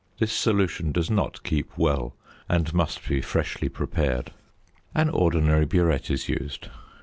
This solution does not keep well and must be freshly prepared. An ordinary burette is used.